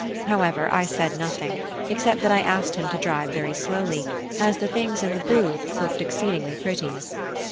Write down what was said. However, I said nothing, except that I asked him to drive very slowly, as the things in the booths looked exceedingly pretty.